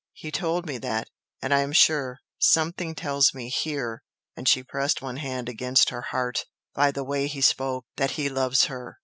He told me that. And I am sure something tells me HERE" and she pressed one hand against her heart "by the way he spoke that he loves her!"